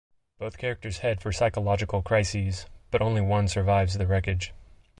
Both characters head for psychological crises, but only one survives the wreckage.